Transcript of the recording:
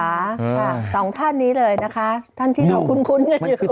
ค่ะสองท่านนี้เลยนะคะท่านที่ขอบคุณกันอยู่